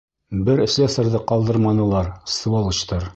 Бер слесарҙы ҡалдырманылар, сволочтар.